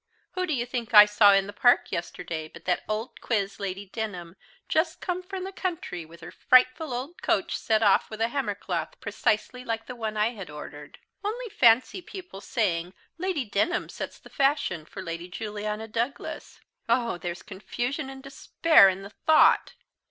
Who do you think I saw in the Park yesterday but that old quiz Lady Denham, just come from the country, with her frightful old coach set off with a hammer cloth precisely like the one I had ordered. Only fancy people saying, Lady Denham sets the fashion for Lady Juliana Douglas!! Oh, there's confusion and despair in the thought!"